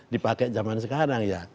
dipakai zaman sekarang ya